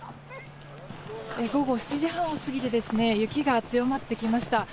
午後７時半を過ぎて雪が強まってきました。